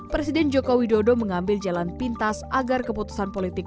presiden joko widodo mengambil jalan pintas agar keputusan politik